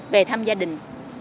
về thăm gia đình